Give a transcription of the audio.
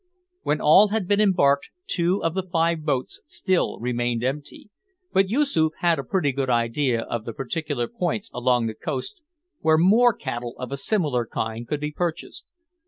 When all had been embarked, two of the five boats still remained empty, but Yoosoof had a pretty good idea of the particular points along the coast where more "cattle" of a similar kind could be purchased.